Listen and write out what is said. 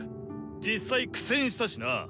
実際苦戦したしな！